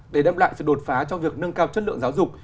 để đem lại sự đột phá trong việc nâng cao chất lượng giáo dục